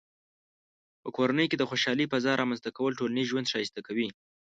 په کورنۍ کې د خوشحالۍ فضاء رامنځته کول ټولنیز ژوند ښایسته کوي.